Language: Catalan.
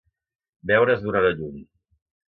Veure's d'una hora lluny.